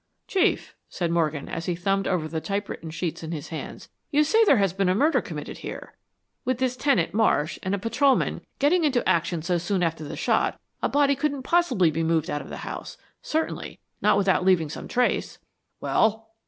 "Chief," said Morgan, as he thumbed over the typewritten sheets in his hands, "you say there has been a murder committed here. With this tenant, Marsh, and a patrolman, getting into action so soon after the shot, a body couldn't possibly be moved out of the house certainly, not without leaving some trace." "Well?"